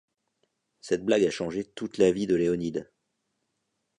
Cette blague a changé toute la vie de Leonid.